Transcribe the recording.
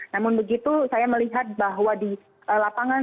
namun begitu saya melihat bahwa di lapangan